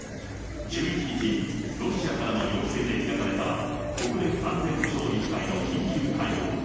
１１日、ロシアからの要請で開かれた、国連安全保障理事会の緊急会合。